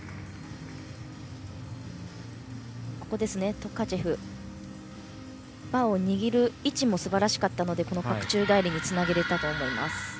トカチェフの、バーを握る位置もすばらしかったのでパク宙返りにつなげられたと思います。